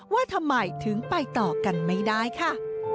ว่าทำไมถึงไปต่อกันไม่ได้ค่ะ